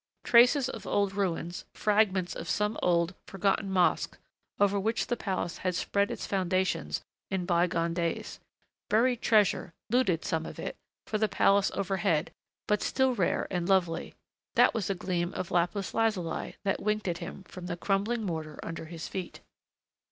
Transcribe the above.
Traces of old ruins, fragments of some old, forgotten mosque over which the palace had spread its foundations in bygone days.... Buried treasure, looted, some of it, for the palace overhead, but still rare and lovely.... That was a gleam of lapis lazuli that winked at him from the crumbling mortar under his feet.